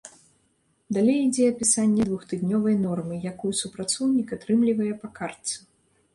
Далей ідзе апісанне двухтыднёвай нормы, якую супрацоўнік атрымлівае па картцы.